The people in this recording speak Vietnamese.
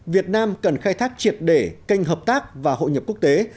việt nam cần khai thác triệt để kênh hợp tác và hội nhập quốc tế